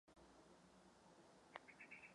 Nezapomínám, odkud jsem přišel, čas však plyne rychle.